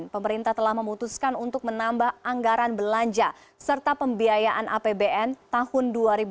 pemerintah telah memutuskan untuk menambah anggaran belanja serta pembiayaan apbn tahun dua ribu dua puluh